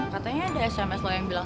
katanya ada sms lo yang bilang